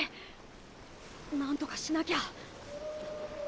なんとかしなきゃ！